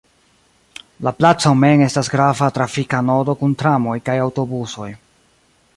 La placo mem estas grava trafika nodo kun tramoj kaj aŭtobusoj.